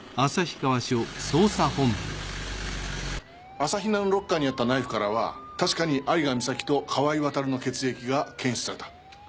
朝比奈のロッカーにあったナイフからは確かに有賀美咲と川井渉の血液が検出された。